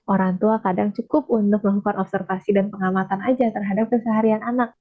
orang tua kadang cukup untuk melakukan observasi dan pengamatan aja terhadap keseharian anak